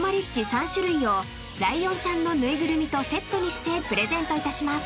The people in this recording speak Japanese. ３種類をライオンちゃんの縫いぐるみとセットにしてプレゼントいたします］